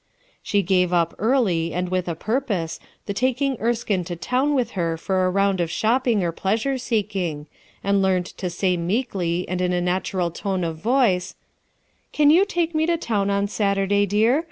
She gave up early, and with a purpose, the taking Erskine to town with her for a round of shopping or pleasure seeking, and learned to say meekly and in a natural tone of voice: — "Can you take rae to town on Saturday, dear?